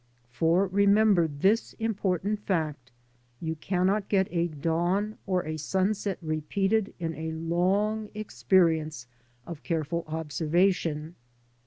For, remember this important fact, you cannot get a dawn or a sunset repeated in a long experience of careful observation.